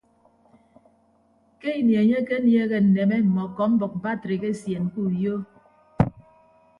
Ke ini enye akenieehe nneme mme ọkọmbʌk batrik esien ke uyo.